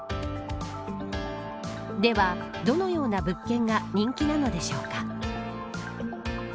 では、どのような物件が人気なのでしょうか。